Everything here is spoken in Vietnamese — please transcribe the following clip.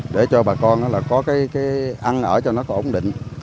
để cho bà con có cái ăn ở cho nó còn ổn định